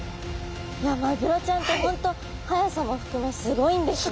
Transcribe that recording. いやマグロちゃんって本当速さも含めすごいんですね。